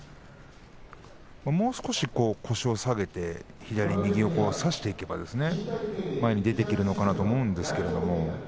もう少し腰を下げて左、右を差していけば前に出ていけると思うんですがね。